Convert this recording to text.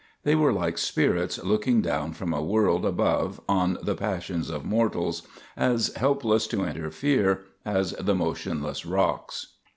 They were like spirits looking down from a world above on the passions of mortals as helpless to interfere as the motionless rocks.